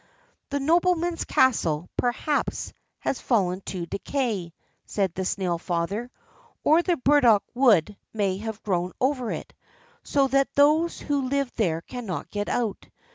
"The nobleman's castle, perhaps, has fallen to decay," said the snail father, "or the burdock wood may have grown over it, so that those who live there cannot get out.